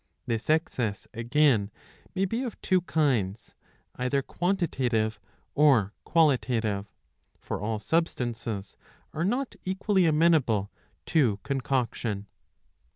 This excess again may be of two kinds, either quantitative or qualitative ; for all substances are not equally amenable to concoction.